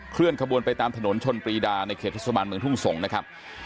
เคลื่อนขบวนไปตามถนนชนปรีดาในเขตเทศบาลเมืองทุ่งสงศ์นะครับ